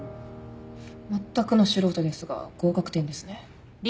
まったくの素人ですが合格点ですね。